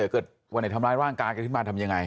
เกิดวันไหนทำร้ายร่างกายกันขึ้นมาทำยังไง